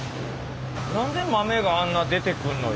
何で豆があんな出てくんのよ。